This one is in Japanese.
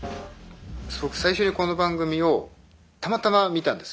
最初にこの番組をたまたま見たんです。